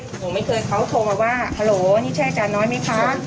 หนูไม่เคยเขาโทรมาว่าฮัลโหลนี่ใช่อาจารย์น้อยไหมคะ